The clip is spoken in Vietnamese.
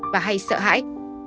và hay sợ hãi